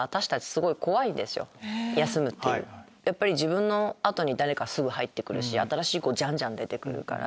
やっぱり自分の後に誰かすぐ入ってくるし新しい子ジャンジャン出てくるから。